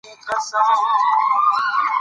د کعبې ځلېدنه له فضا د ځانګړي ښکلا مثال دی.